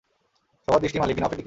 সবার দৃষ্টি মালিক বিন আওফের দিকে।